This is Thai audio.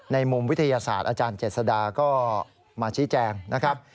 มุมวิทยาศาสตร์อาจารย์เจษดาก็มาชี้แจงนะครับ